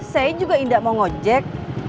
saya juga indah mau ng ojek